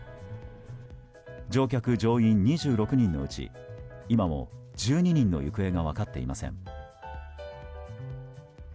乗客・乗員２６人のうち今も１２人の行方が分かっていません。